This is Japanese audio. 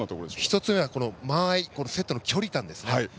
１つ目は間合いセットの距離感ですね。